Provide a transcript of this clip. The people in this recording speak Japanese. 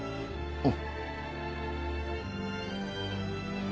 うん。